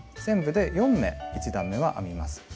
全部で４目１段めは編みます。